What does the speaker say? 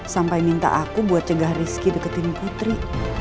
sampai minta aku buat cegah rizky deketin putri